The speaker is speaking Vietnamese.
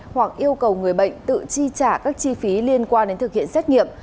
hoặc yêu cầu người bệnh tự chi trả các chi phí liên quan đến thực hiện xét nghiệm